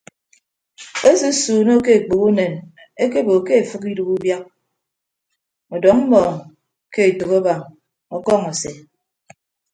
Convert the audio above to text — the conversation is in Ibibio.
Esesuunọ ke ekpek unen ekeebo ke efịk idooho ubiak ọdọñ mmọọñ ke etәk abañ ọkọñọ ase.